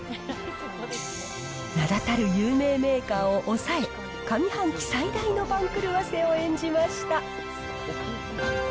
名だたる有名メーカーを抑え、上半期最大の番狂わせを演じました。